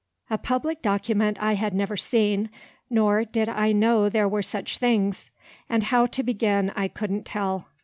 A public document I had never seen, nor did I know there were such things; and how to begin I couldn't tell.